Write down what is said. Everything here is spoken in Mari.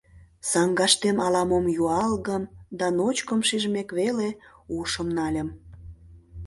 Саҥгаштем ала-мом юалгым да ночкым шижмек веле, ушым нальым.